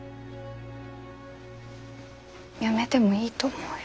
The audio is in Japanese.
やめてもいいと思うよ。